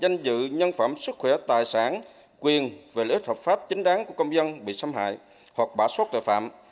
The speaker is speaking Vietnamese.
danh dự nhân phẩm sức khỏe tài sản quyền về lợi ích hợp pháp chính đáng của công dân bị xâm hại hoặc bả sót tội phạm